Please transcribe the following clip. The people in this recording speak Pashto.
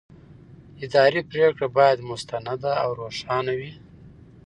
اداري پرېکړه باید مستنده او روښانه وي.